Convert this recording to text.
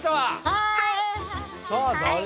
はい！